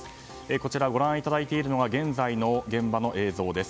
こちら、ご覧いただいているのが現在の現場の映像です。